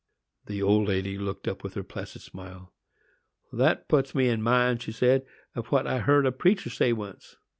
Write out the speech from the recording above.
The old lady looked up, with her placid smile. "That puts me in mind," she said, "of what I heard a preacher say once.